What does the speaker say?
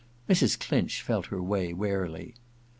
Mrs. Clinch felt her way warily.